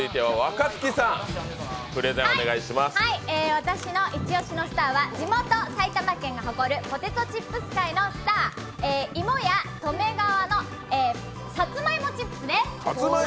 私のイチオシのスターは地元・埼玉県が誇るポテトチップス界のスター芋や富かわのさつまいもチップスです。